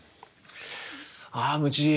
あむじい。